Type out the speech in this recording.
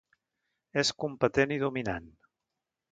És competent i dominant.